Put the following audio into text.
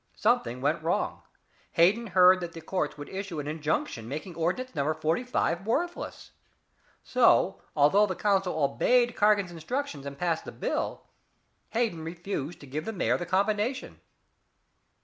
Something went wrong. Hayden heard that the courts would issue an injunction making Ordinance Number 45 worthless. So, although the council obeyed Cargan's instructions and passed the bill, Hayden refused to give the mayor the combination."